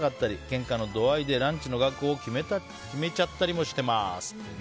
けんかの度合いでランチの額を決めちゃったりもしてます。